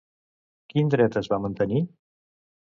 Quin dret es va mantenir?